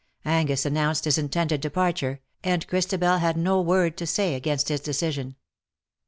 Angus announced his intended departure, and Christabel had no word to say against his decision.